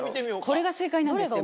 これが正解なんですよ